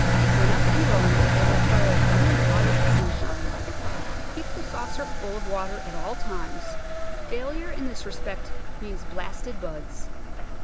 When up and growing they require abundant water and sunshine. Keep the saucer full of water all the time; failure in this respect means blasted buds.